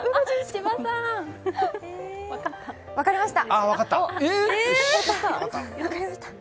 分かりました。